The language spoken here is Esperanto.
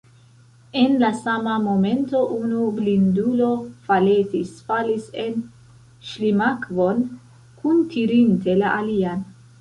En la sama momento unu blindulo faletis, falis en ŝlimakvon, kuntirinte la alian.